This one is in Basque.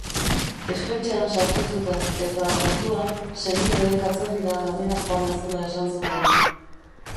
Espetxean sartu zuten, eta orduan senideek atzerrira lanera joana zela esan zuten.